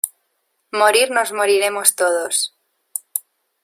morir nos moriremos todos.